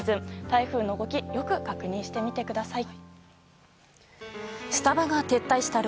台風の動きをよく確認してみてください。